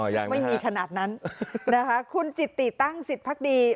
ยังไม่มีขนาดนั้นนะคะคุณจิตติตั้งสิทธิพักดี